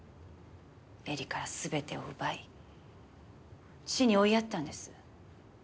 絵里から全てを奪い死に追いやったんです。